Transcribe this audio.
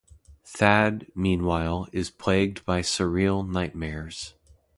Thad, meanwhile, is plagued by surreal nightmares.